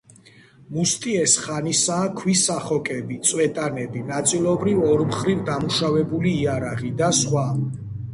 მუსტიეს ხანისაა ქვის სახოკები, წვეტანები, ნაწილობრივ ორმხრივ დამუშავებული იარაღი და სხვა.